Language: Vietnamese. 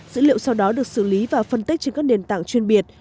dữ liệu sau đó được xử lý và phân tích trên các nền tảng chuyên biệt